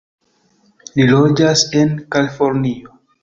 Li loĝas en Kalifornio.